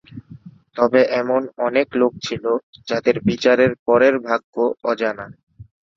তবে এমন অনেক লোক ছিল যাদের বিচারের পরের ভাগ্য অজানা।